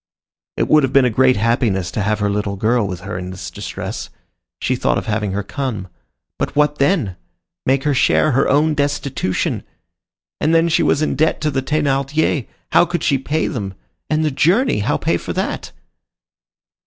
It would have been a great happiness to have her little girl with her in this distress. She thought of having her come. But what then! Make her share her own destitution! And then, she was in debt to the Thénardiers! How could she pay them? And the journey! How pay for that?